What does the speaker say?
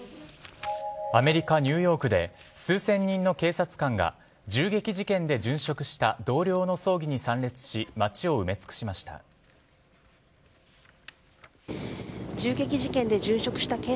アメリカ・ニューヨークで数千人の警察官が銃撃事件で殉職した同僚の葬儀に参列し街を埋め尽くしました。